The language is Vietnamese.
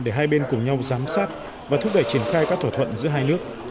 để hai bên cùng nhau giám sát và thúc đẩy triển khai các thỏa thuận giữa hai nước